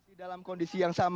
masih dalam kondisi yang sama